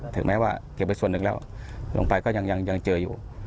ถึงแม้ว่าเก็บไปส่วนหนึ่งแล้วลงไปก็ยังเจออยู่